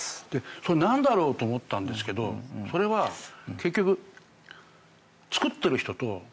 それ何だろうと思ったんですけどそれは結局。